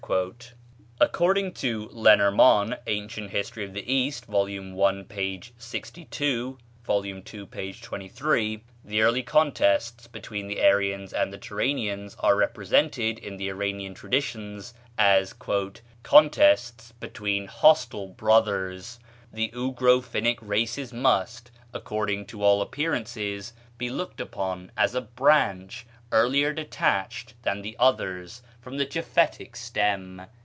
According to Lenormant ("Ancient History of the East," vol. i., p. 62; vol. ii., p. 23), the early contests between the Aryans and the Turanians are represented in the Iranian traditions as "contests between hostile brothers ... the Ugro Finnish races must, according to all appearances, be looked upon as a branch, earlier detached than the others from the Japhetic stem."